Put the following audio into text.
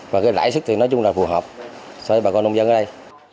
và cái lãi sức thì nói chung là phù hợp với bà con nông dân ở đây